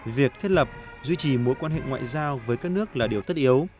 việc thiết lập duy trì mối quan hệ ngoại giao với các nước là điều tất yếu